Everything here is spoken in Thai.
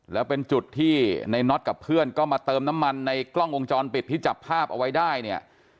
แล้วเป็นจุดที่ในน็อตกับเพื่อนก็มาเติมน้ำมันในกล้องวงจรปิดที่จับภาพเอาไว้ได้เนี่ย